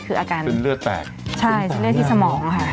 ไม่ให้เบื่อแตกใช่ใช้เลขที่สมองค่ะ